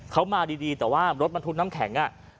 เขามาดีแต่ว่ารถบรรทุกน้ำแข็ง